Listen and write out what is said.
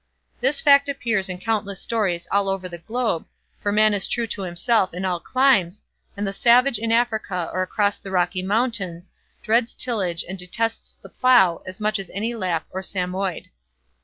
This fact appears in countless stories all over the globe, for man is true to himself in all climes, and the savage in Africa or across the Rocky Mountains, dreads tillage and detests the plough as much as any Lapp or Samoyed.